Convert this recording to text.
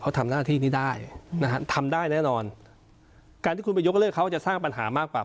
เขาทำหน้าที่นี้ได้นะฮะทำได้แน่นอนการที่คุณไปยกเลิกเขาจะสร้างปัญหามากกว่า